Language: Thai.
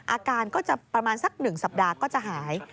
อาการก็จะประมาณสัก๑สัปดาห์ก็จะหาย